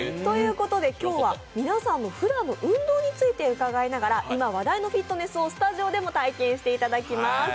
今日は皆さんのふだんの運動について伺いながら今話題のフィットネスをスタジオでも体験していただきます。